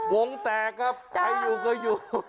วงแตกครับใครอยู่ก็อยู่